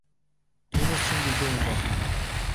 Түүнээс чинь ч илүү юм болно!